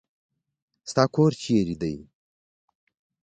ستا کور چیرې دی؟